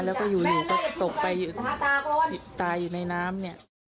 แล้วก็อยู่ก็ตกไปตายอยู่ในน้ำเนี่ย